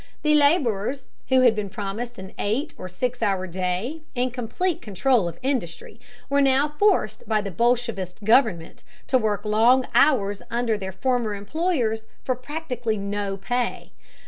The laborers, who had been promised an eight or six hour day and complete control of industry, were now forced by the bolshevist government to work long hours under their former employers for practically no pay.